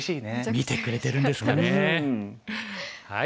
見てくれてるんですかね。